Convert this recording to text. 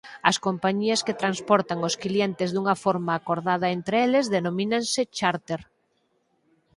As compañías que transportan os clientes dunha forma acordada entre eles denomínanse chárter.